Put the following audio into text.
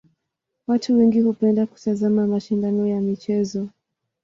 Watu wengi hupenda kutazama mashindano ya michezo.